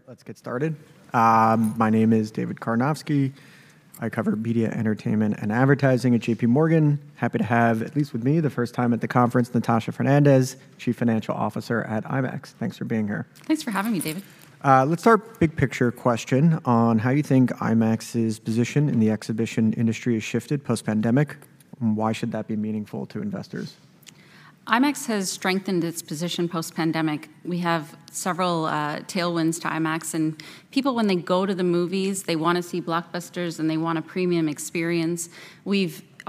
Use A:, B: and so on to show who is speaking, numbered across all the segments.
A: All right, let's get started. My name is David Karnovsky. I cover media, entertainment, and advertising at J.P. Morgan. Happy to have, at least with me, the first time at the conference, Natasha Fernandes, Chief Financial Officer at IMAX. Thanks for being here.
B: Thanks for having me, David.
A: Let's start big-picture question on how you think IMAX's position in the exhibition industry has shifted post-pandemic, and why should that be meaningful to investors?
B: IMAX has strengthened its position post-pandemic. We have several tailwinds to IMAX, and people, when they go to the movies, they wanna see blockbusters, and they want a premium experience.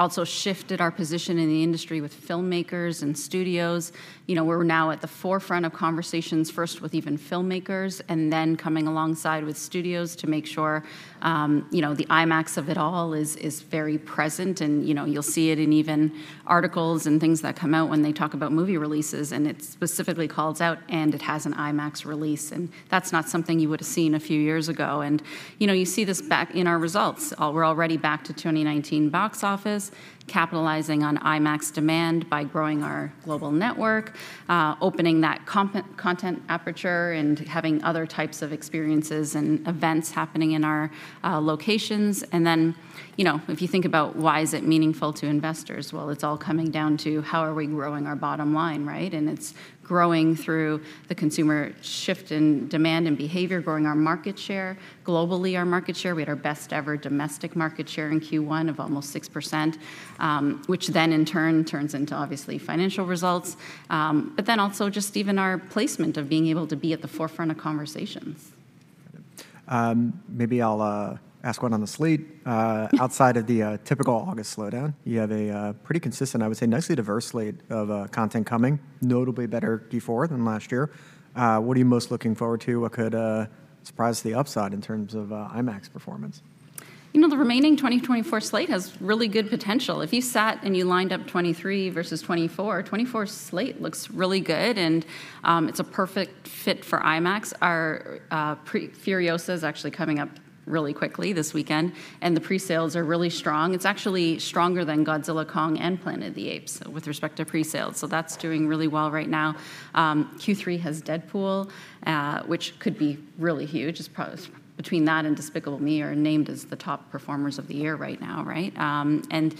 B: We've also shifted our position in the industry with filmmakers and studios. You know, we're now at the forefront of conversations, first with even filmmakers, and then coming alongside with studios to make sure, you know, the IMAX of it all is very present. And, you know, you'll see it in even articles and things that come out when they talk about movie releases, and it specifically calls out, "And it has an IMAX release," and that's not something you would've seen a few years ago. And, you know, you see this back in our results. We're already back to 2019 box office, capitalizing on IMAX demand by growing our global network, opening that content aperture, and having other types of experiences and events happening in our locations. And then, you know, if you think about why is it meaningful to investors, well, it's all coming down to: How are we growing our bottom line, right? And it's growing through the consumer shift in demand and behavior, growing our market share. Globally, our market share, we had our best-ever domestic market share in Q1 of almost 6%. Which then, in turn, turns into, obviously, financial results. But then also just even our placement of being able to be at the forefront of conversations.
A: Maybe I'll ask one on the slate. Outside of the typical August slowdown, you have a pretty consistent, I would say, nicely diverse slate of content coming, notably better Q4 than last year. What are you most looking forward to? What could surprise the upside in terms of IMAX performance?
B: You know, the remaining 2024 slate has really good potential. If you sat and you lined up 2023 versus 2024, 2024 slate looks really good, and it's a perfect fit for IMAX. Furiosa is actually coming up really quickly this weekend, and the presales are really strong. It's actually stronger than Godzilla x Kong and Planet of the Apes with respect to presales, so that's doing really well right now. Q3 has Deadpool, which could be really huge. It's probably between that and Despicable Me are named as the top performers of the year right now, right? And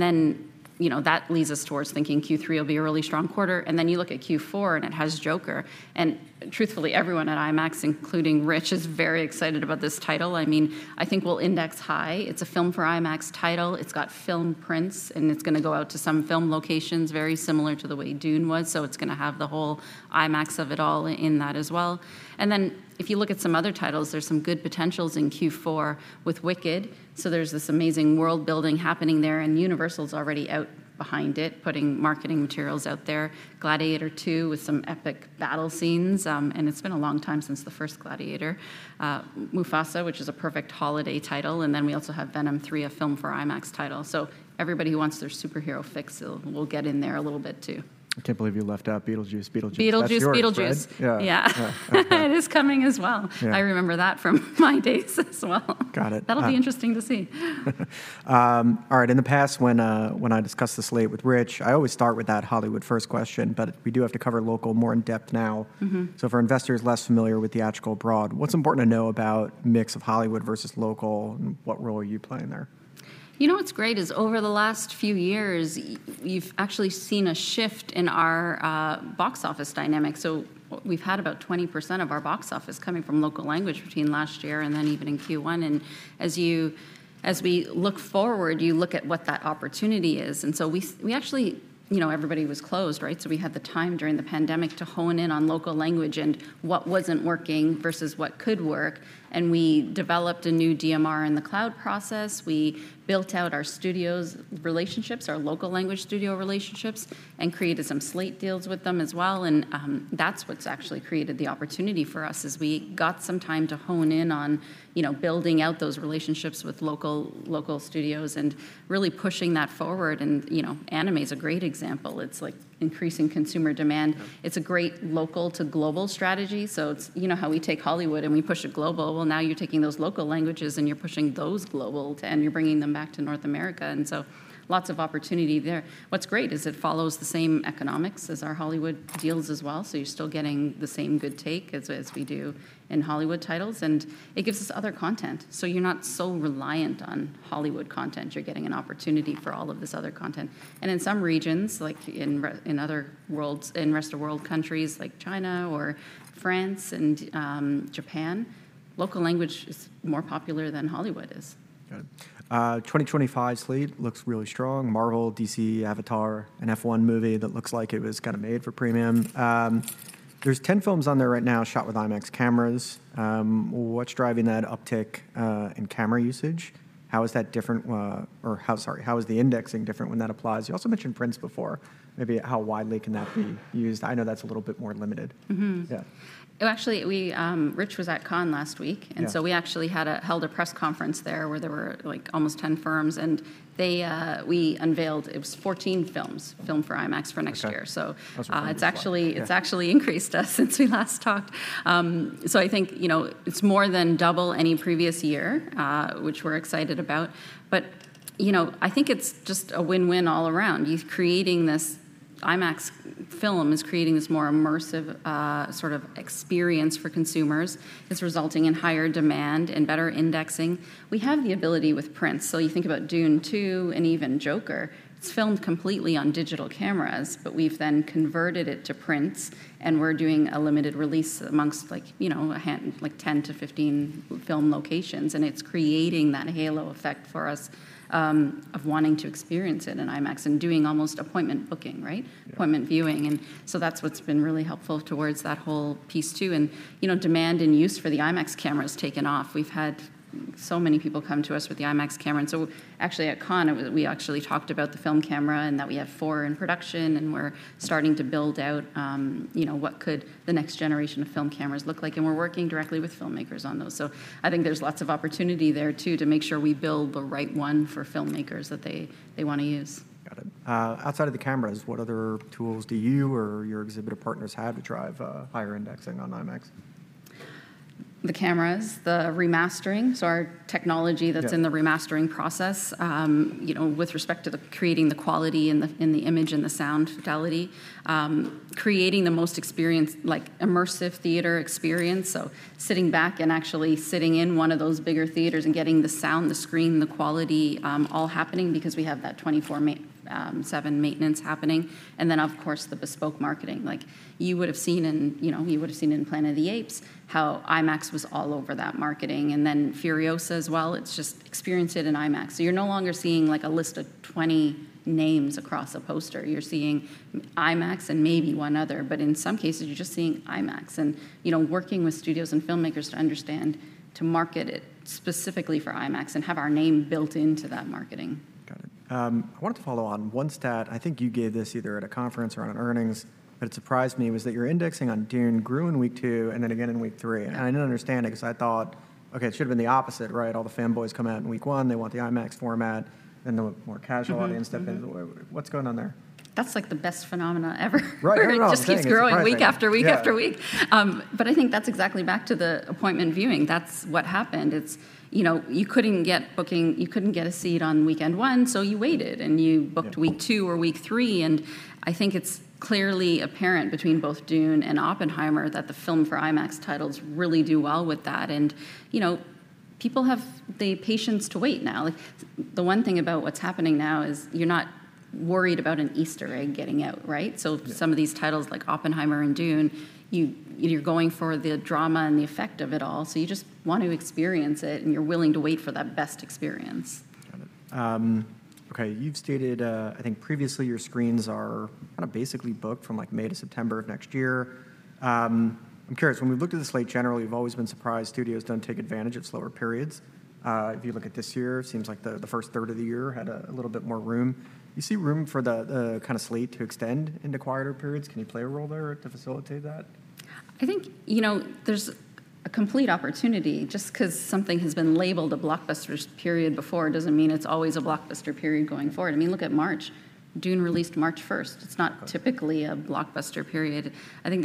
B: then, you know, that leads us towards thinking Q3 will be a really strong quarter. And then you look at Q4, and it has Joker, and truthfully, everyone at IMAX, including Rich, is very excited about this title. I mean, I think we'll index high. It's a Filmed for IMAX title. It's got film prints, and it's gonna go out to some film locations, very similar to the way Dune was, so it's gonna have the whole IMAX of it all in that as well. And then, if you look at some other titles, there's some good potentials in Q4 with Wicked, so there's this amazing world-building happening there, and Universal's already out behind it, putting marketing materials out there. Gladiator II, with some epic battle scenes, and it's been a long time since the first Gladiator. Mufasa, which is a perfect holiday title, and then we also have Venom 3, a film for IMAX title, so everybody who wants their superhero fix will get in there a little bit, too.
A: I can't believe you left out Beetlejuice. Beetlejuice-
B: Beetlejuice.
A: That's yours, right?
B: Beetlejuice.
A: Yeah.
B: Yeah. It is coming as well.
A: Yeah.
B: I remember that from my days as well.
A: Got it.
B: That'll be interesting to see.
A: All right. In the past, when I discussed the slate with Rich, I always start with that Hollywood first question, but we do have to cover local more in depth now.
B: Mm-hmm.
A: For investors less familiar with the theatrical box office, what's important to know about mix of Hollywood versus local, and what role are you playing there?
B: You know what's great, is over the last few years, you've actually seen a shift in our box office dynamic. So we've had about 20% of our box office coming from local language between last year and then even in Q1, and as we look forward, you look at what that opportunity is, and so we actually... You know, everybody was closed, right? So we had the time during the pandemic to hone in on local language and what wasn't working versus what could work, and we developed a new DMR in the cloud process. We built out our studios relationships, our local language studio relationships, and created some slate deals with them as well, and that's what's actually created the opportunity for us, is we got some time to hone in on, you know, building out those relationships with local, local studios and really pushing that forward. You know, anime is a great example. It's, like, increasing consumer demand.
A: Yeah.
B: It's a great local-to-global strategy, so it's, you know, how we take Hollywood and we push it global. Well, now you're taking those local languages, and you're pushing those global, and you're bringing them back to North America, and so lots of opportunity there. What's great is it follows the same economics as our Hollywood deals as well, so you're still getting the same good take as, as we do in Hollywood titles, and it gives us other content, so you're not so reliant on Hollywood content. You're getting an opportunity for all of this other content, and in some regions, like in other worlds, in rest of world countries, like China or France and Japan, local language is more popular than Hollywood is.
A: Got it. 2025 slate looks really strong. Marvel, DC, Avatar, an F1 movie that looks like it was kind of made for premium. There's 10 films on there right now shot with IMAX cameras. What's driving that uptick in camera usage? How is that different, or how... Sorry, how is the indexing different when that applies? You also mentioned prints before. Maybe how widely can that be used? I know that's a little bit more limited.
B: Mm-hmm.
A: Yeah.
B: Well, actually, we... Rich was at Cannes last week-
A: Yeah...
B: and so we actually held a press conference there, where there were, like, almost 10 firms, and they, we unveiled, it was 14 films, filmed for IMAX for next year.
A: Okay.
B: So-
A: That's right.
B: It's actually-
A: Yeah...
B: it's actually increased us since we last talked. So I think, you know, it's more than double any previous year, which we're excited about, but, you know, I think it's just a win-win all around. IMAX film is creating this more immersive, sort of experience for consumers. It's resulting in higher demand and better indexing. We have the ability with prints. So you think about Dune 2 and even Joker, it's filmed completely on digital cameras, but we've then converted it to prints, and we're doing a limited release amongst, like, you know, 10 film locations-15 film locations, and it's creating that Halo Effect for us, of wanting to experience it in IMAX and doing almost appointment booking, right?
A: Yeah.
B: Appointment viewing, and so that's what's been really helpful towards that whole piece, too. And, you know, demand and use for the IMAX camera has taken off. We've had so many people come to us with the IMAX camera, and so actually at Cannes, we actually talked about the film camera and that we have four in production, and we're starting to build out, you know, what could the next generation of film cameras look like? And we're working directly with filmmakers on those. So I think there's lots of opportunity there, too, to make sure we build the right one for filmmakers that they, they wanna use.
A: Got it. Outside of the cameras, what other tools do you or your exhibitor partners have to drive higher indexing on IMAX?
B: The cameras, the remastering, so our technology-
A: Yeah...
B: that's in the remastering process, you know, with respect to the creating the quality and the, and the image and the sound fidelity, creating the most experience, like, immersive theater experience. So sitting back and actually sitting in one of those bigger theaters and getting the sound, the screen, the quality, all happening because we have that 24/7 maintenance happening, and then, of course, the bespoke marketing. Like, you would've seen in, you know, you would've seen in Planet of the Apes, how IMAX was all over that marketing. And then Furiosa as well, it's just, "Experience it in IMAX." So you're no longer seeing, like, a list of 20 names across a poster. You're seeing IMAX and maybe one other, but in some cases, you're just seeing IMAX. You know, working with studios and filmmakers to understand to market it specifically for IMAX and have our name built into that marketing.
A: Got it. I wanted to follow on one stat. I think you gave this either at a conference or on earnings, but it surprised me, was that your indexing on *Dune* grew in week two and then again in week three.
B: Yeah.
A: And I didn't understand it 'cause I thought, okay, it should've been the opposite, right? All the fanboys come out in week one. They want the IMAX format, then the more-
B: Mm-hmm...
A: casual audience step in. What's going on there?
B: That's, like, the best phenomenon ever.
A: Right? Right. I'm saying it's surprising.
B: It just keeps growing week after week after week.
A: Yeah.
B: But I think that's exactly back to the appointment viewing. That's what happened. It's, you know, you couldn't get a seat on weekend one, so you waited, and you-
A: Yeah...
B: booked Week 2 or Week 3, and I think it's clearly apparent between both Dune and Oppenheimer that the film for IMAX titles really do well with that. And, you know, people have the patience to wait now. Like, the one thing about what's happening now is you're not worried about an Easter egg getting out, right?
A: Yeah.
B: Some of these titles, like Oppenheimer and Dune, you're going for the drama and the effect of it all, so you just want to experience it, and you're willing to wait for that best experience.
A: Got it. Okay, you've stated, I think previously, your screens are kinda basically booked from, like, May to September of next year. I'm curious, when we've looked at the slate generally, we've always been surprised studios don't take advantage of slower periods. If you look at this year, seems like the first third of the year had a little bit more room. You see room for the kinda slate to extend into quieter periods? Can you play a role there to facilitate that?
B: I think, you know, there's a complete opportunity. Just 'cause something has been labeled a blockbuster period before doesn't mean it's always a blockbuster period going forward. I mean, look at March. *Dune* released March 1st.
A: Okay.
B: It's not typically a blockbuster period. I think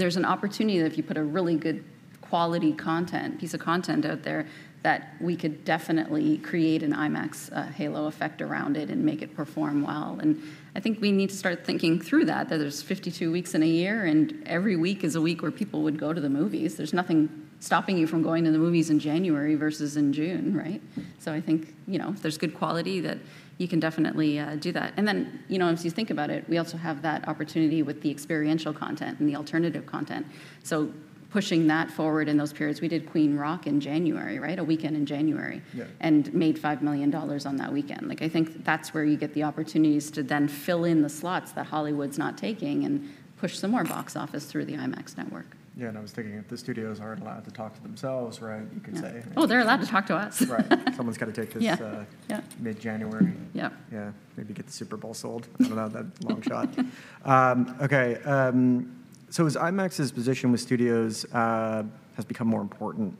B: there's an opportunity that if you put a really good, quality content, piece of content out there, that we could definitely create an IMAX halo effect around it and make it perform well. And I think we need to start thinking through that, that there's 52 weeks in a year, and every week is a week where people would go to the movies. There's nothing stopping you from going to the movies in January versus in June, right? So I think, you know, if there's good quality, that you can definitely do that. And then, you know, as you think about it, we also have that opportunity with the experiential content and the alternative content, so pushing that forward in those periods. We did Queen Rock in January, right? A weekend in January-
A: Yeah...
B: and made $5 million on that weekend. Like, I think that's where you get the opportunities to then fill in the slots that Hollywood's not taking and push some more box office through the IMAX network.
A: Yeah, and I was thinking, if the studios aren't allowed to talk to themselves, right, you could say-
B: Oh, they're allowed to talk to us.
A: Right. Someone's gotta take this,
B: Yeah, yeah...
A: mid-January.
B: Yeah.
A: Yeah. Maybe get the Super Bowl sold. I don't know. That's a long shot. Okay, so as IMAX's position with studios has become more important,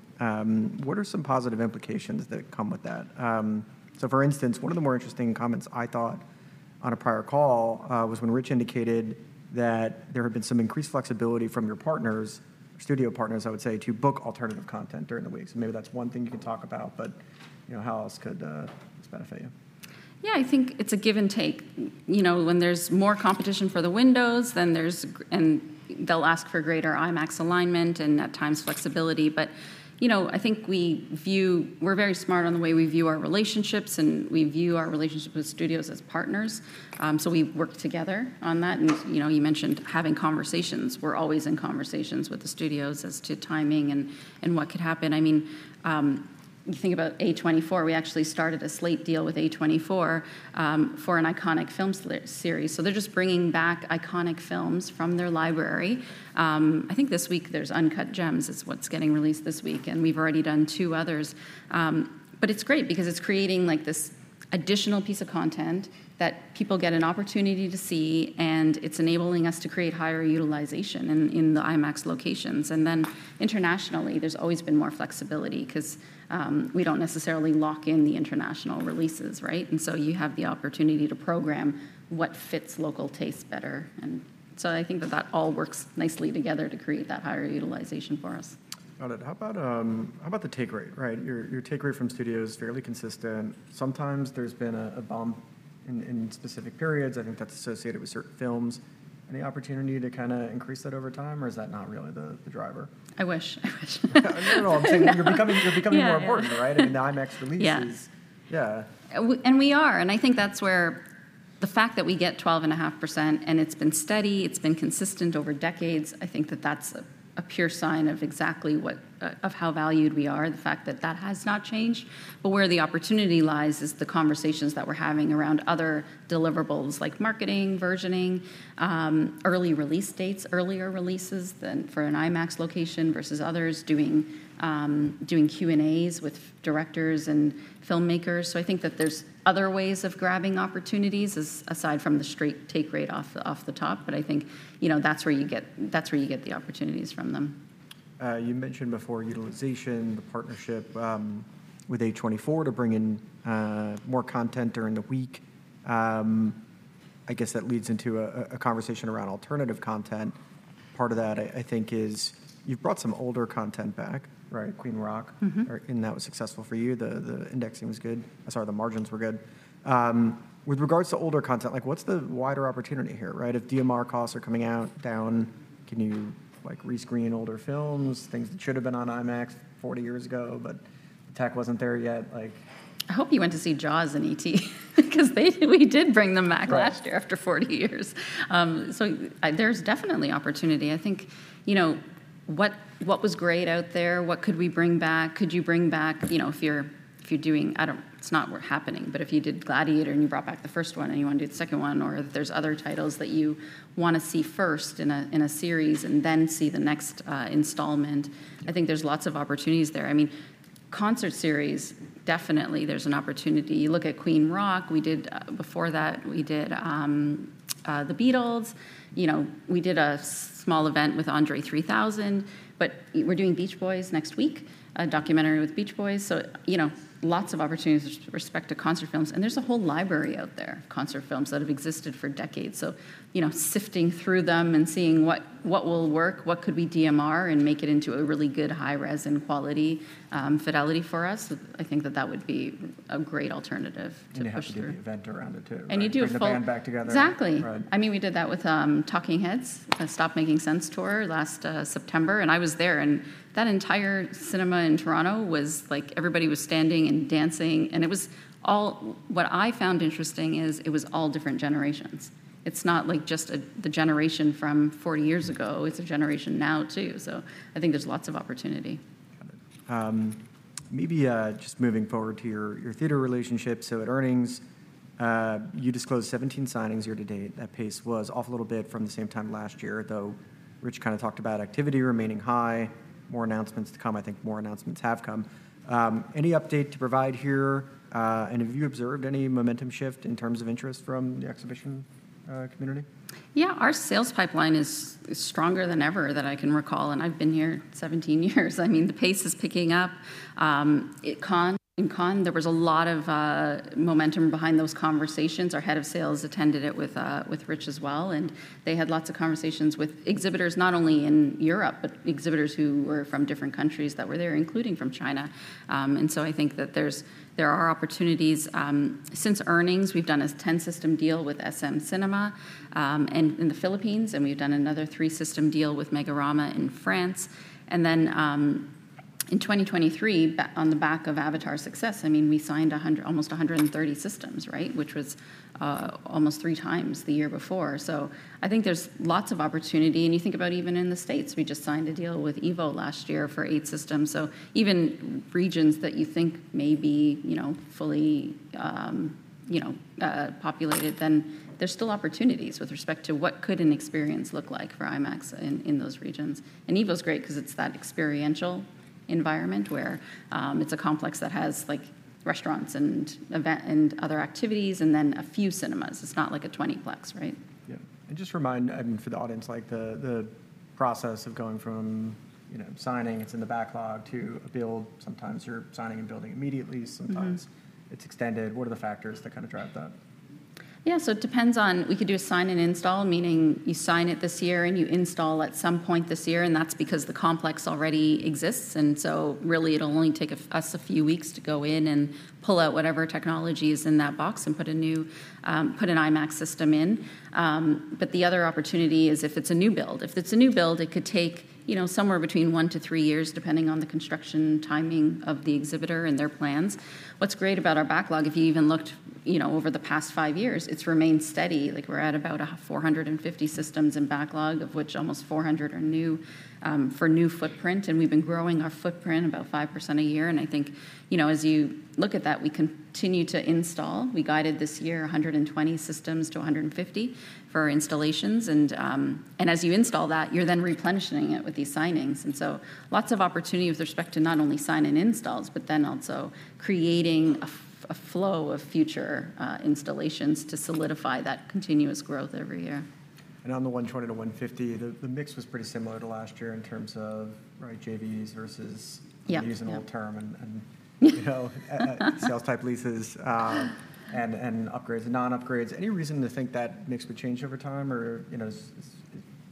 A: what are some positive implications that come with that? So for instance, one of the more interesting comments I thought on a prior call was when Rich indicated that there had been some increased flexibility from your partners, studio partners, I would say, to book alternative content during the weeks. Maybe that's one thing you can talk about, but, you know, how else could this benefit you?
B: Yeah, I think it's a give and take. You know, when there's more competition for the windows, then they'll ask for greater IMAX alignment and, at times, flexibility. But, you know, I think we view. We're very smart on the way we view our relationships, and we view our relationship with studios as partners. So we work together on that. And, you know, you mentioned having conversations. We're always in conversations with the studios as to timing and what could happen. You think about A24. We actually started a slate deal with A24, for an iconic film series. So they're just bringing back iconic films from their library. I think this week there's Uncut Gems, is what's getting released this week, and we've already done two others. But it's great because it's creating, like, this additional piece of content that people get an opportunity to see, and it's enabling us to create higher utilization in the IMAX locations. And then internationally, there's always been more flexibility 'cause we don't necessarily lock in the international releases, right? And so you have the opportunity to program what fits local tastes better, and so I think that all works nicely together to create that higher utilization for us. ...
A: Got it. How about the take rate, right? Your take rate from studios is fairly consistent. Sometimes there's been a bump in specific periods. I think that's associated with certain films. Any opportunity to kinda increase that over time, or is that not really the driver?
B: I wish. I wish.
A: No, no, I'm saying you're becoming-
B: Yeah.
A: You're becoming more important, right?
B: Yeah.
A: I mean, the IMAX releases-
B: Yeah.
A: Yeah.
B: And we are, and I think that's where the fact that we get 12.5%, and it's been steady, it's been consistent over decades. I think that's a pure sign of exactly what of how valued we are, the fact that that has not changed. But where the opportunity lies is the conversations that we're having around other deliverables, like marketing, versioning, early release dates, earlier releases than for an IMAX location versus others, doing Q&As with directors and filmmakers. So I think that there's other ways of grabbing opportunities aside from the straight take rate off the top, but I think, you know, that's where you get the opportunities from them.
A: You mentioned before utilization, the partnership with A24 to bring in more content during the week. I guess that leads into a conversation around alternative content. Part of that, I think, is you've brought some older content back, right?
B: Mm-hmm.
A: Queen Rock.
B: Mm-hmm.
A: That was successful for you. The indexing was good. Sorry, the margins were good. With regards to older content, like, what's the wider opportunity here, right? If DMR costs are coming down, can you, like, re-screen older films, things that should've been on IMAX 40 years ago, but the tech wasn't there yet, like?
B: I hope you went to see Jaws and ET, 'cause they, we did bring them back-
A: Right...
B: last year after 40 years. So there's definitely opportunity. I think, you know, what, what was great out there? What could we bring back? Could you bring back, you know, if you're, if you're doing... I don't. It's not happening, but if you did Gladiator, and you brought back the first one, and you wanna do the second one, or if there's other titles that you wanna see first in a, in a series and then see the next, installment, I think there's lots of opportunities there. I mean, concert series, definitely there's an opportunity. You look at Queen Rock, we did, before that, we did, The Beatles. You know, we did a small event with André 3000, but we're doing Beach Boys next week, a documentary with Beach Boys. So, you know, lots of opportunities with respect to concert films, and there's a whole library out there of concert films that have existed for decades. So, you know, sifting through them and seeing what will work, what could we DMR and make it into a really good high-res and quality, fidelity for us, I think that that would be a great alternative to push through.
A: You have to do the event around it, too, right?
B: And you do a full-
A: Bring the band back together.
B: Exactly!
A: Right.
B: I mean, we did that with Talking Heads, the Stop Making Sense Tour last September, and I was there. And that entire cinema in Toronto was like, everybody was standing and dancing, and it was all... What I found interesting is, it was all different generations. It's not like just a, the generation from 40 years ago. It's a generation now, too. So I think there's lots of opportunity.
A: Got it. Maybe, just moving forward to your, your theater relationship, so at earnings, you disclosed 17 signings year to date. That pace was off a little bit from the same time last year, though Rich kind of talked about activity remaining high, more announcements to come. I think more announcements have come. Any update to provide here? And have you observed any momentum shift in terms of interest from the exhibition, community?
B: Yeah, our sales pipeline is stronger than ever that I can recall, and I've been here 17 years. I mean, the pace is picking up. At Cannes, there was a lot of momentum behind those conversations. Our head of sales attended it with Rich as well, and they had lots of conversations with exhibitors, not only in Europe, but exhibitors who were from different countries that were there, including from China. And so I think that there are opportunities. Since earnings, we've done a 10-system deal with SM Cinema in the Philippines, and we've done another 3-system deal with Megarama in France. And then, in 2023, on the back of Avatar's success, I mean, we signed almost 130 systems, right? Which was almost 3 times the year before. So I think there's lots of opportunity, and you think about even in the States, we just signed a deal with EVO last year for 8-systems. So even regions that you think may be, you know, fully, you know, populated, then there's still opportunities with respect to what could an experience look like for IMAX in those regions. And EVO's great 'cause it's that experiential environment where, it's a complex that has, like, restaurants and event and other activities and then a few cinemas. It's not like a 20-plex, right?
A: Yeah. And just remind, I mean, for the audience, like, the process of going from, you know, signing, it's in the backlog, to a build. Sometimes you're signing and building immediately.
B: Mm-hmm...
A: sometimes it's extended. What are the factors that kind of drive that?
B: Yeah, so it depends on. We could do a sign and install, meaning you sign it this year, and you install at some point this year, and that's because the complex already exists. And so really, it'll only take us a few weeks to go in and pull out whatever technology is in that box and put an IMAX system in. But the other opportunity is if it's a new build. If it's a new build, it could take, you know, somewhere between 1-3 years, depending on the construction timing of the exhibitor and their plans. What's great about our backlog, if you even looked, you know, over the past five years, it's remained steady. Like, we're at about 450 systems in backlog, of which almost 400 are new for new footprint, and we've been growing our footprint about 5% a year. I think, you know, as you look at that, we continue to install. We guided this year 120 systems-150 systems for installations, and as you install that, you're then replenishing it with these signings. So lots of opportunity with respect to not only sign and installs but then also creating a flow of future installations to solidify that continuous growth every year.
A: On the 120 systems-150 systems, the mix was pretty similar to last year in terms of, right, JVs versus-
B: Yeah...
A: I'll use an old term, and you know, sales-type leases, and upgrades and non-upgrades. Any reason to think that mix would change over time or, you know,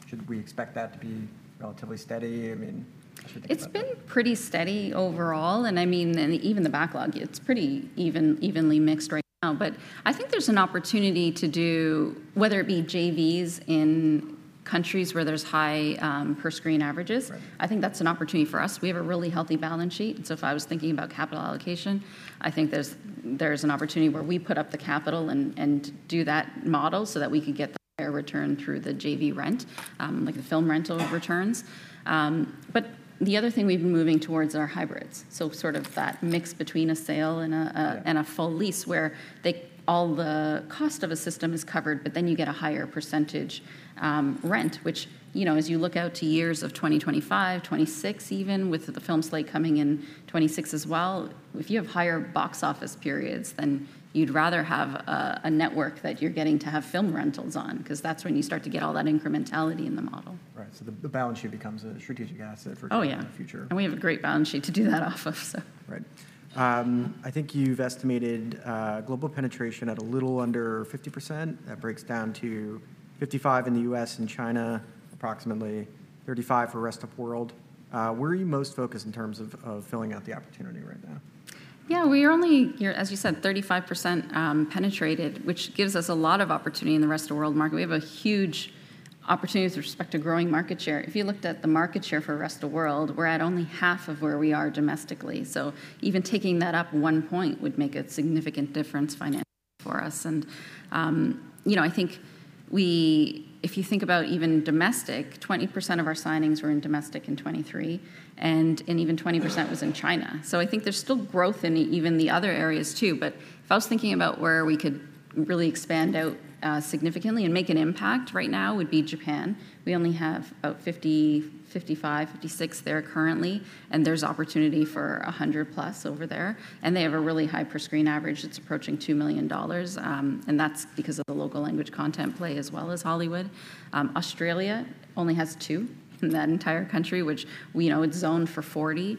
A: should we expect that to be relatively steady? I mean, I should think about that.
B: It's been pretty steady overall, and I mean, and even the backlog, it's pretty even, evenly mixed right now. But I think there's an opportunity to do, whether it be JVs in countries where there's high, per-screen averages-
A: Right.
B: I think that's an opportunity for us. We have a really healthy balance sheet, and so if I was thinking about capital allocation, I think there's an opportunity where we put up the capital and do that model so that we can get the higher return through the JV rent, like the film rental returns. But the other thing we've been moving towards are hybrids, so sort of that mix between a sale and a,
A: Yeah...
B: and a full lease, where they all the cost of a system is covered, but then you get a higher percentage rent. Which, you know, as you look out to years of 2025, 2026 even, with the film slate coming in 2026 as well, if you have higher box office periods, then you'd rather have a network that you're getting to have film rentals on, 'cause that's when you start to get all that incrementality in the model.
A: Right. So the balance sheet becomes a strategic asset for-
B: Oh, yeah...
A: the future.
B: We have a great balance sheet to do that off of, so.
A: Right. I think you've estimated global penetration at a little under 50%. That breaks down to 55 in the U.S. and China, approximately 35 for rest of world. Where are you most focused in terms of filling out the opportunity right now?
B: Yeah, as you said, we are only 35% penetrated, which gives us a lot of opportunity in the rest of the world market. We have a huge opportunity with respect to growing market share. If you looked at the market share for rest of world, we're at only half of where we are domestically. So even taking that up 1 point would make a significant difference financially for us. And, you know, I think if you think about even domestic, 20% of our signings were in domestic in 2023, and even 20% was in China. So I think there's still growth in even the other areas, too. But if I was thinking about where we could really expand out significantly and make an impact right now, would be Japan. We only have about 50, 55, 56 there currently, and there's opportunity for 100+ over there, and they have a really high per-screen average that's approaching $2 million, and that's because of the local language content play, as well as Hollywood. Australia only has two in that entire country, which we know it's zoned for 40.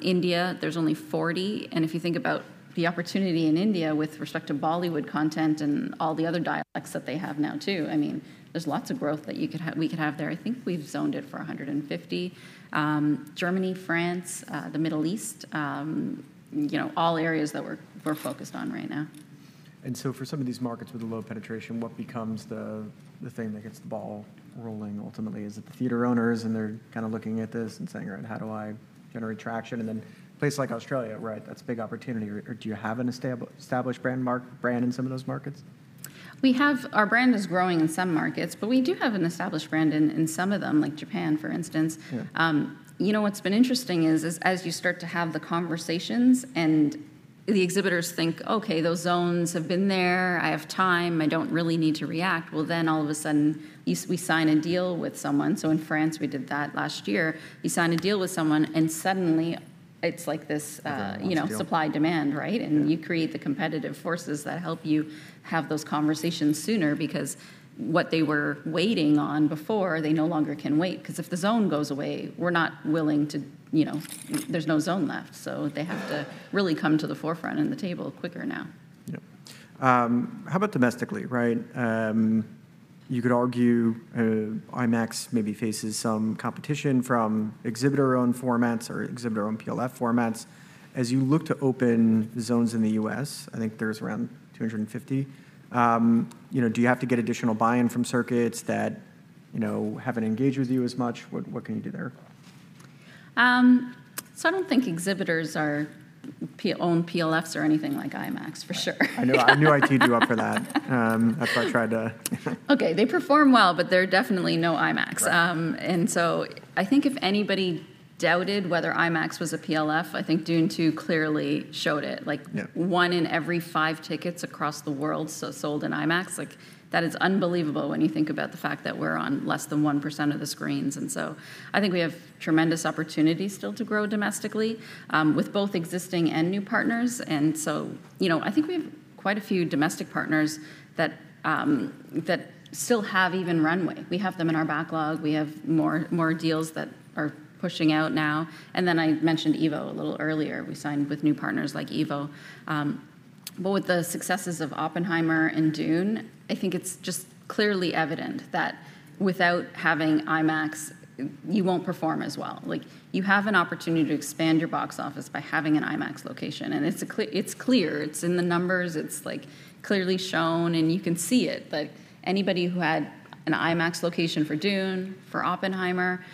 B: India, there's only 40, and if you think about the opportunity in India with respect to Bollywood content and all the other dialects that they have now, too, I mean, there's lots of growth that you could have, we could have there. I think we've zoned it for 150. Germany, France, the Middle East, you know, all areas that we're focused on right now.
A: And so for some of these markets with a low penetration, what becomes the thing that gets the ball rolling ultimately? Is it the theater owners, and they're kind of looking at this and saying, "All right, how do I generate traction?" And then places like Australia, right, that's a big opportunity. Or do you have an established brand mark, brand in some of those markets?
B: Our brand is growing in some markets, but we do have an established brand in some of them, like Japan, for instance.
A: Yeah.
B: You know, what's been interesting is as you start to have the conversations and the exhibitors think, "Okay, those zones have been there. I have time. I don't really need to react," well, then all of a sudden, we sign a deal with someone. So in France, we did that last year. You sign a deal with someone, and suddenly it's like this.
A: Yeah, let's go....
B: you know, supply-demand, right?
A: Yeah.
B: You create the competitive forces that help you have those conversations sooner, because what they were waiting on before, they no longer can wait. Because if the zone goes away, we're not willing to... You know, there's no zone left, so they have to really come to the forefront and the table quicker now.
A: Yep. How about domestically, right? You could argue, IMAX maybe faces some competition from exhibitor-owned formats or exhibitor-owned PLF formats. As you look to open zones in the U.S., I think there's around 250, you know, do you have to get additional buy-in from circuits that, you know, haven't engaged with you as much? What, what can you do there?
B: So, I don't think exhibitors own PLFs or anything like IMAX, for sure.
A: I know. I knew I teed you up for that. That's why I tried to...
B: Okay, they perform well, but they're definitely no IMAX.
A: Right.
B: And so I think if anybody doubted whether IMAX was a PLF, I think Dune 2 clearly showed it.
A: Yeah.
B: Like, one in every five tickets across the world so sold in IMAX. Like, that is unbelievable when you think about the fact that we're on less than 1% of the screens. I think we have tremendous opportunity still to grow domestically, with both existing and new partners. You know, I think we have quite a few domestic partners that that still have even runway. We have them in our backlog. We have more, more deals that are pushing out now. Then I mentioned EVO a little earlier. We signed with new partners like EVO. But with the successes of Oppenheimer and Dune, I think it's just clearly evident that without having IMAX, you won't perform as well. Like, you have an opportunity to expand your box office by having an IMAX location, and it's clear. It's in the numbers. It's, like, clearly shown, and you can see it. Like, anybody who had an IMAX location for Dune, for Oppenheimer,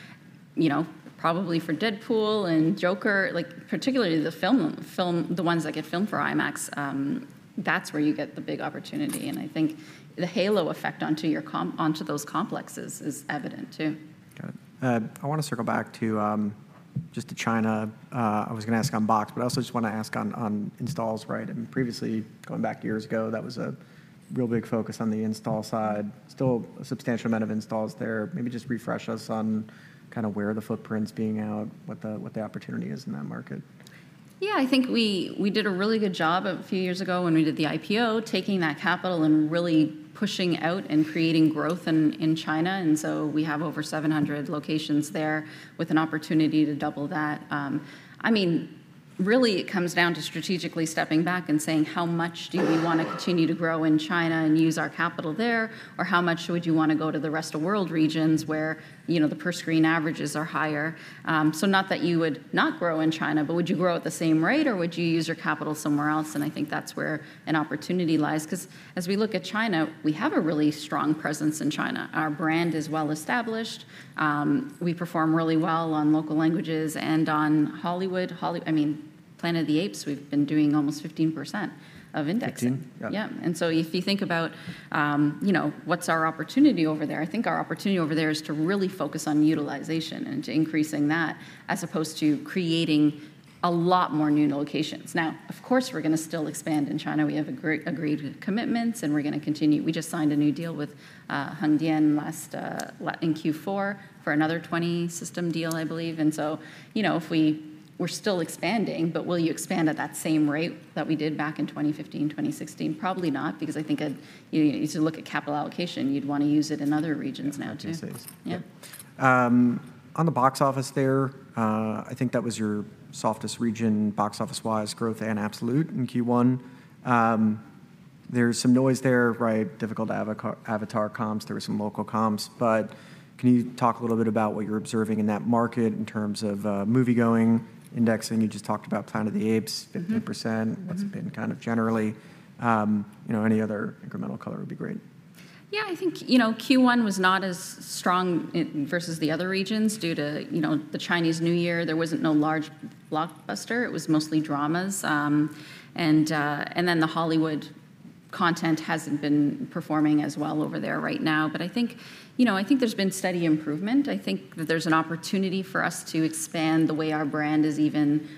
B: you know, probably for Deadpool and Joker, like, particularly the film, the ones that get filmed for IMAX, that's where you get the big opportunity, and I think the Halo Effect onto those complexes is evident, too.
A: Got it. I want to circle back to just to China. I was going to ask on box, but I also just want to ask on installs, right? I mean, previously, going back years ago, that was a real big focus on the install side. Still a substantial amount of installs there. Maybe just refresh us on kind of where the footprint's being out, what the opportunity is in that market.
B: Yeah, I think we did a really good job a few years ago when we did the IPO, taking that capital and really pushing out and creating growth in China. And so we have over 700 locations there with an opportunity to double that. I mean, really it comes down to strategically stepping back and saying, "How much do we want to continue to grow in China and use our capital there? Or how much would you want to go to the rest of world regions where, you know, the per screen averages are higher?" So not that you would not grow in China, but would you grow at the same rate, or would you use your capital somewhere else? And I think that's where an opportunity lies. 'Cause as we look at China, we have a really strong presence in China. Our brand is well established, we perform really well on local languages and on Hollywood. Holly- I mean, Planet of the Apes, we've been doing almost 15% of indexing.
A: Fifteen? Yeah.
B: Yeah. And so if you think about, you know, what's our opportunity over there, I think our opportunity over there is to really focus on utilisation and to increasing that, as opposed to creating a lot more new locations. Now, of course, we're gonna still expand in China. We have a great agreed commitments, and we're gonna continue. We just signed a new deal with, Hengdian last in Q4, for another 20-system deal, I believe. And so, you know, if we-- we're still expanding, but will you expand at that same rate that we did back in 2015, 2016? Probably not, because I think, you, you should look at capital allocation. You'd wanna use it in other regions now, too.
A: Yeah, makes sense.
B: Yep.
A: On the box office there, I think that was your softest region, box office-wise, growth and absolute in Q1. There's some noise there, right? Difficult *Avatar* comps, there were some local comps. But can you talk a little bit about what you're observing in that market in terms of moviegoing index? I know you just talked about *Planet of the Apes*-
B: Mm-hmm...
A: 15%.
B: Mm-hmm.
A: What's it been kind of generally? You know, any other incremental color would be great.
B: Yeah, I think, you know, Q1 was not as strong in versus the other regions, due to, you know, the Chinese New Year. There wasn't no large blockbuster. It was mostly dramas. And then the Hollywood content hasn't been performing as well over there right now. But I think, you know, I think there's been steady improvement. I think that there's an opportunity for us to expand the way our brand is even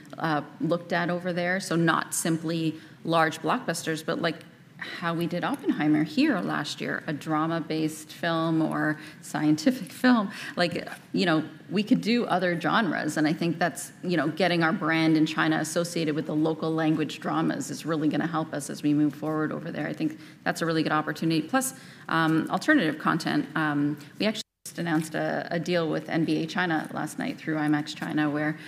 B: looked at over there. So not simply large blockbusters, but, like, how we did Oppenheimer here last year, a drama-based film or scientific film. Like, you know, we could do other genres, and I think that's, you know, getting our brand in China associated with the local language dramas is really gonna help us as we move forward over there. I think that's a really good opportunity. Plus, alternative content. We actually just announced a deal with NBA China last night through IMAX China, where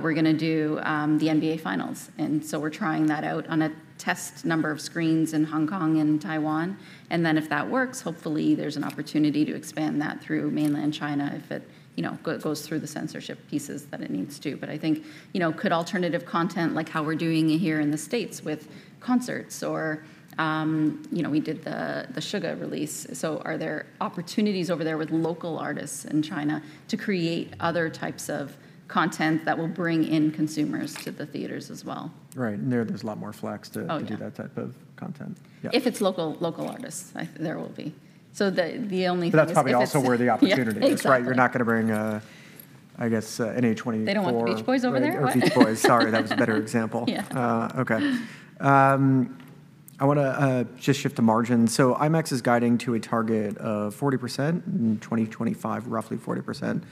B: we're gonna do the NBA Finals. And so we're trying that out on a test number of screens in Hong Kong and Taiwan. And then, if that works, hopefully there's an opportunity to expand that through mainland China, if it, you know, goes through the censorship pieces that it needs to. But I think, you know, could alternative content, like how we're doing it here in the States with concerts or, you know, we did the Suga release. So are there opportunities over there with local artists in China to create other types of content that will bring in consumers to the theaters as well?
A: Right. There's a lot more flex to-
B: Oh, yeah...
A: do that type of content. Yeah.
B: If it's local, local artists, I think there will be. So the only thing is if it's-
A: But that's probably also where the opportunity is.
B: Yeah, exactly.
A: That's right. You're not gonna bring, I guess, an A24-
B: They don't want The Beach Boys over there? What?
A: The Beach Boys. Sorry, that was a better example.
B: Yeah.
A: Okay. I wanna just shift to margin. So IMAX is guiding to a target of 40% in 2025, roughly 40%,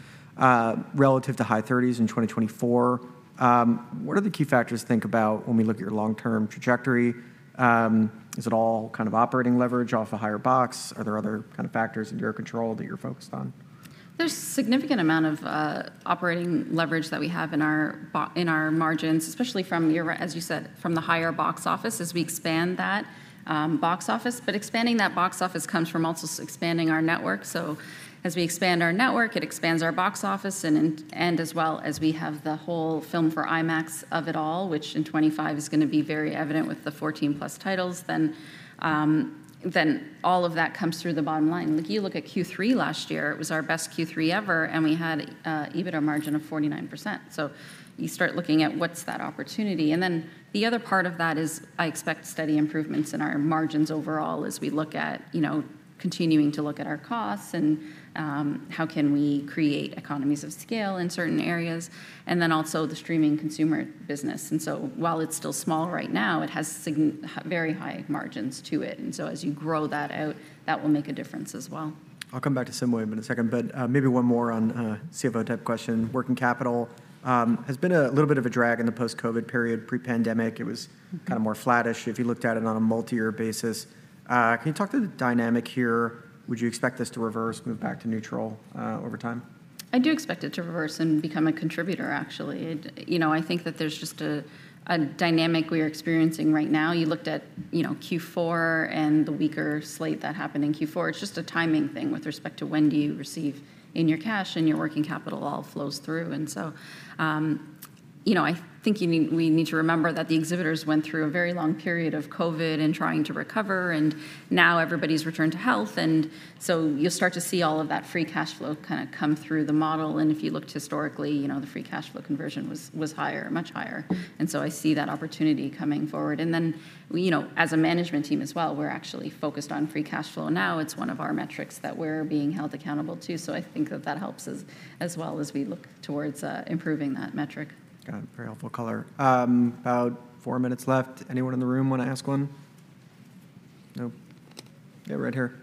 A: relative to high 30s in 2024. What are the key factors to think about when we look at your long-term trajectory? Is it all kind of operating leverage off a higher box? Are there other kind of factors in your control that you're focused on?
B: There's significant amount of operating leverage that we have in our margins, especially from your, as you said, from the higher box office, as we expand that box office. But expanding that box office comes from also expanding our network. So as we expand our network, it expands our box office, and as well as we have the whole Film for IMAX of it all, which in 2025 is gonna be very evident with the 14 plus titles, then all of that comes through the bottom line. Like, you look at Q3 last year, it was our best Q3 ever, and we had EBITDA margin of 49%. So you start looking at what's that opportunity. Then the other part of that is, I expect steady improvements in our margins overall as we look at, you know, continuing to look at our costs and how can we create economies of scale in certain areas, and then also the streaming consumer business. So while it's still small right now, it has very high margins to it. So, as you grow that out, that will make a difference as well.
A: I'll come back to SSIMWAVE in a second, but maybe one more on CFO-type question. Working capital has been a little bit of a drag in the post-COVID period. Pre-pandemic, it was-
B: Mm-hmm...
A: kind of more flattish if you looked at it on a multi-year basis. Can you talk to the dynamic here? Would you expect this to reverse, move back to neutral, over time?
B: I do expect it to reverse and become a contributor, actually. It, you know, I think that there's just a dynamic we're experiencing right now. You looked at, you know, Q4 and the weaker slate that happened in Q4. It's just a timing thing with respect to when do you receive in your cash, and your working capital all flows through. And so, you know, I think you need, we need to remember that the exhibitors went through a very long period of COVID and trying to recover, and now everybody's returned to health, and so you'll start to see all of that free cash flow kinda come through the model. And if you looked historically, you know, the free cash flow conversion was higher, much higher. And so I see that opportunity coming forward. And then, you know, as a management team as well, we're actually focused on free cash flow now. It's one of our metrics that we're being held accountable to. So I think that that helps us as well, as we look towards, improving that metric.
A: Got it. Very helpful color. About four minutes left. Anyone in the room wanna ask one? Nope. Yeah, right here.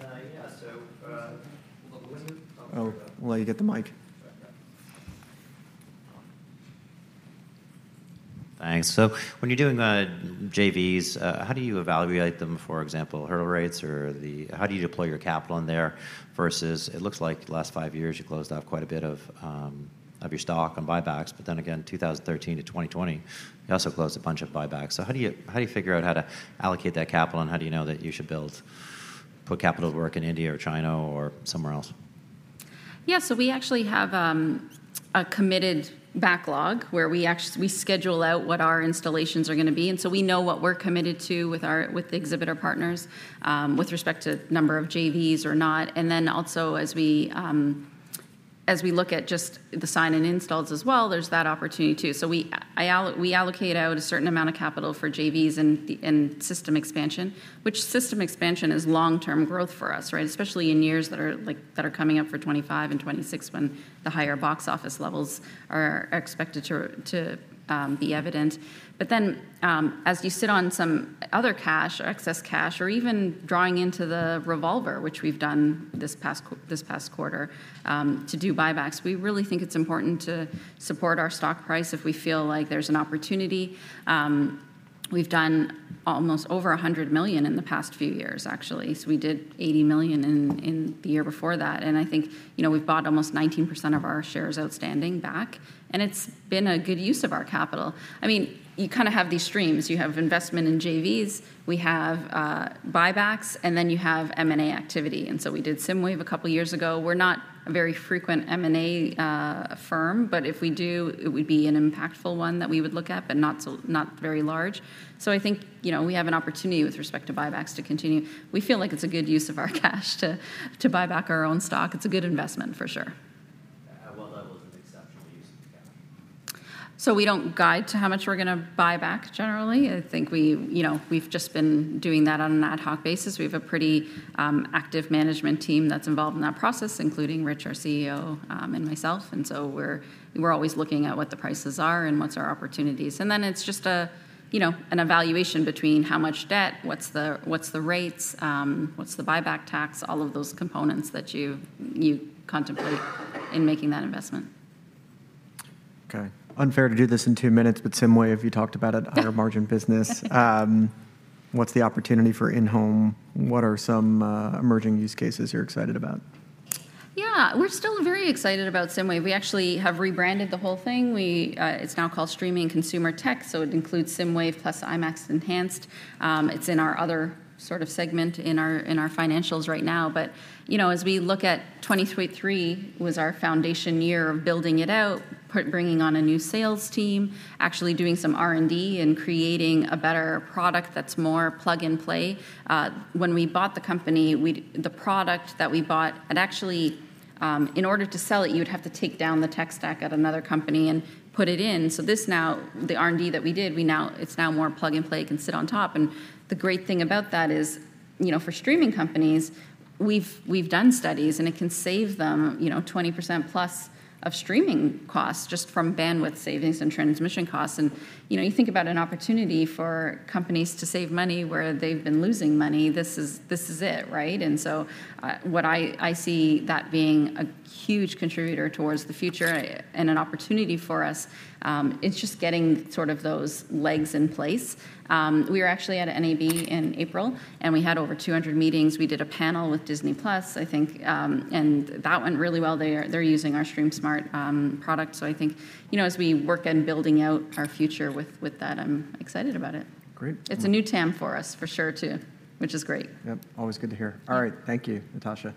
A: Yeah. So, well, the wind- Oh, let you get the mic....
C: Thanks. So when you're doing the JVs, how do you evaluate them, for example, hurdle rates or how do you deploy your capital in there versus it looks like the last five years you closed out quite a bit of your stock and buybacks, but then again, 2013 to 2020, you also closed a bunch of buybacks. So how do you figure out how to allocate that capital, and how do you know that you should put capital to work in India or China or somewhere else?
B: Yeah, so we actually have a committed backlog where we schedule out what our installations are gonna be, and so we know what we're committed to with our exhibitor partners with respect to number of JVs or not. And then also, as we look at just the sign and install as well, there's that opportunity too. So we allocate out a certain amount of capital for JVs and the system expansion, which system expansion is long-term growth for us, right? Especially in years that are, like, that are coming up for 25 and 26, when the higher box office levels are expected to be evident. But then, as you sit on some other cash or excess cash or even drawing into the revolver, which we've done this past quarter, to do buybacks, we really think it's important to support our stock price if we feel like there's an opportunity. We've done almost over $100 million in the past few years, actually. So we did $80 million in the year before that, and I think, you know, we've bought almost 19% of our shares outstanding back, and it's been a good use of our capital. I mean, you kind of have these streams. You have investment in JVs, we have buybacks, and then you have M&A activity, and so we did SSIMWAVE a couple years ago. We're not a very frequent M&A firm, but if we do, it would be an impactful one that we would look at, but not very large. So I think, you know, we have an opportunity with respect to buybacks to continue. We feel like it's a good use of our cash to buy back our own stock. It's a good investment for sure.
C: At what level is an exceptional use of the capital?
B: So we don't guide to how much we're gonna buy back generally. I think we, you know, we've just been doing that on an ad hoc basis. We have a pretty, active management team that's involved in that process, including Rich, our CEO, and myself. And so we're, we're always looking at what the prices are and what's our opportunities. And then it's just a, you know, an evaluation between how much debt, what's the, what's the rates, what's the buyback tax, all of those components that you, you contemplate in making that investment.
C: Okay. Unfair to do this in two minutes, but SSIMWAVE, you talked about it, higher margin business. What's the opportunity for in-home? What are some emerging use cases you're excited about?
B: Yeah, we're still very excited about SSIMWAVE. We actually have rebranded the whole thing. We, it's now called Streaming Consumer Tech, so it includes SSIMWAVE plus IMAX Enhanced. It's in our other sort of segment in our, in our financials right now, but, you know, as we look at 2023 was our foundation year of building it out, bringing on a new sales team, actually doing some R&D and creating a better product that's more plug-and-play. When we bought the company, we... The product that we bought, it actually, in order to sell it, you'd have to take down the tech stack at another company and put it in. So this now, the R&D that we did, it's now more plug-and-play. It can sit on top, and the great thing about that is, you know, for streaming companies, we've done studies, and it can save them, you know, 20% plus of streaming costs just from bandwidth savings and transmission costs. And, you know, you think about an opportunity for companies to save money where they've been losing money, this is it, right? And so, what I see that being a huge contributor towards the future-
C: Right...
B: and an opportunity for us. It's just getting sort of those legs in place. We were actually at NAB in April, and we had over 200 meetings. We did a panel with Disney+, I think, and that went really well. They're using our StreamSmart product. So I think, you know, as we work on building out our future with that, I'm excited about it.
C: Great.
B: It's a new term for us for sure, too, which is great.
C: Yep, always good to hear.
B: Yeah.
C: All right. Thank you, Natasha.